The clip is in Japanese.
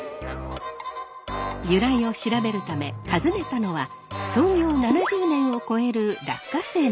由来を調べるため訪ねたのは創業７０年を超える落花生の専門店。